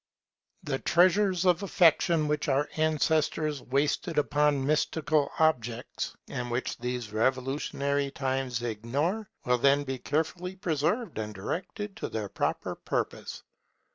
The treasures of affection which our ancestors wasted upon mystical objects, and which these revolutionary times ignore, will then be carefully preserved and directed to their proper purpose.